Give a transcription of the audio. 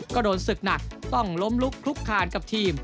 ก็โดนศึกหนักต้องล้มลุกคลุกคานกับทีม